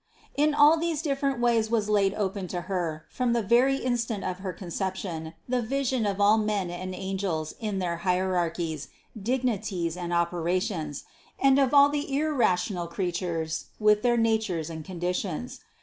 230. In all these different ways was laid open to Her from the very instant of her Conception the vision of all men and angels in their hierarchies, dignities and operations, and of all the irrational creatures with their natures and conditions.